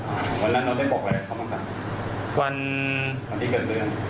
วันหน้าน้วได้บอกอะไรวันที่เกิดเรื่อง